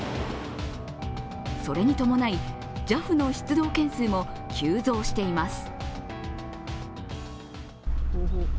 それに伴い、ＪＡＦの出動件数も急増しています。